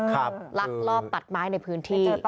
ลักลอบตัดไม้ในพื้นที่